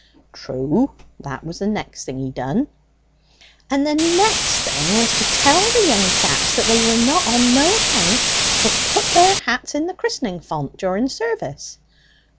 "True: that was the next thing he done." "And the next thing was to tell the young chaps that they were not on no account to put their hats in the christening font during service."